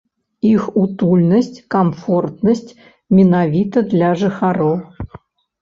Іх утульнасць, камфортнасць менавіта для жыхароў.